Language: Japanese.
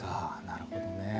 なるほどね。